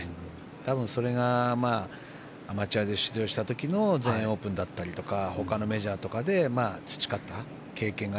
多分、それがアマチュアで出場した時の全英オープンだったり他のメジャーとかで培った経験が。